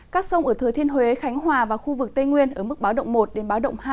các sông ở thừa thiên huế khánh hòa và khu vực tây nguyên ở mức báo động một đến báo động hai